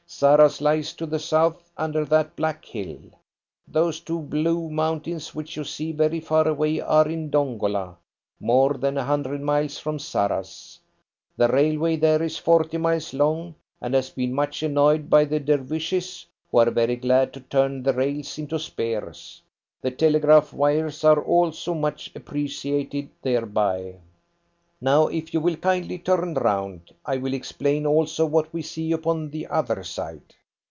Sarras lies to the south, under that black hill. Those two blue mountains which you see very far away are in Dongola, more than a hundred miles from Sarras. The railway there is forty miles long, and has been much annoyed by the Dervishes, who are very glad to turn the rails into spears. The telegraph wires are also much appreciated thereby. Now, if you will kindly turn round, I will explain, also, what we see upon the other side."